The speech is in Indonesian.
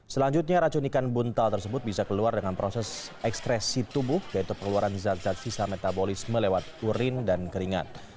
selanjutnya racun ikan buntal tersebut bisa keluar dengan proses ekspresi tubuh yaitu pengeluaran zat zat sisa metabolis melewat urin dan keringat